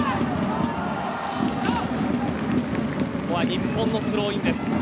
日本のスローインです。